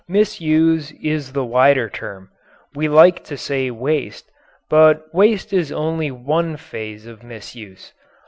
"Misuse" is the wider term. We like to say "waste," but waste is only one phase of misuse.